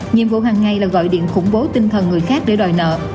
nhiệm vụ hàng ngày là gọi điện khủng bố tinh thần người khác để đòi nợ